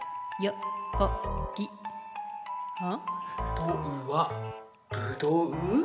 「どうはぶどう」？